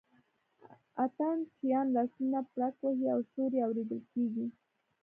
اتڼ چیان لاسونه پړک وهي او شور یې اورېدل کېږي.